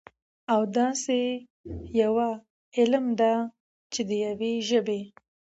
او داسي يوه علم ده، چې د يوي ژبې